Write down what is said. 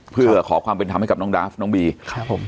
เพื่อขอความเป็นธรรมให้กับน้องดาฟน้องบีครับผม